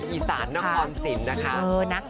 อีสานน้องออนสินนะคะ